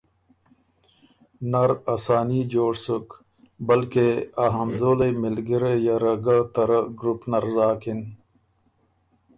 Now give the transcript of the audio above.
نر اساني جوړ سُک بلکې ا همزولئ مِلګِرئ یه ره ګۀ ته رۀ ګروپ نر زاکِن۔